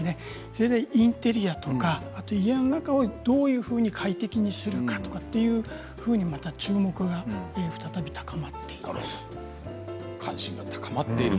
それでインテリアとか家の中をどういうふうに快適にするかとかまた注目が再び高まっています。